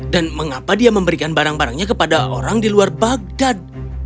dan mengapa dia memberikan barang barangnya kepada orang di luar baghdad